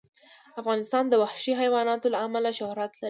افغانستان د وحشي حیوانات له امله شهرت لري.